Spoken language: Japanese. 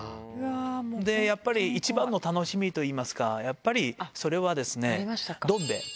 やっぱり一番の楽しみといいますか、やっぱり、それはですね、どん兵衛。